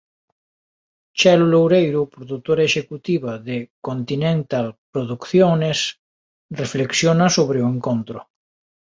Chelo Loureiro, produtora executiva de Continental Producciones, reflexiona sobre o encontro.